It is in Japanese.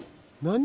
何？